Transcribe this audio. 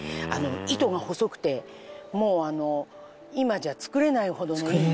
糸が細くてもう今じゃ作れないほどのいい糸なんですよ。